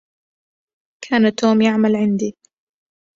كان توم يعمل عندي.